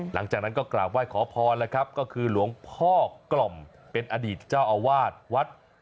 หลังจากนั้นก็กราบไหว้ขอพรนะครับ